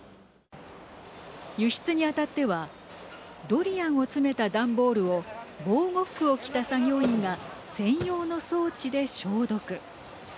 輸出にあたってはドリアンを詰めた段ボールを防護服を着た作業員が専用の装置で消毒。